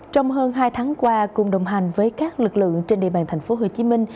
trong hơn hai tháng qua cùng đồng hành với các lực lượng trên địa bàn thành phố hồ chí minh